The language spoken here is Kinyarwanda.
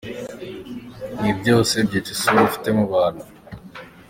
Ibi byose byica isura ufite mu bantu.